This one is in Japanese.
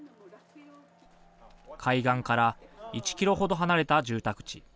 海岸から１ｋｍ程離れた住宅地。